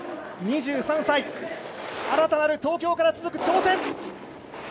２３歳、新たなる東京から続く挑戦。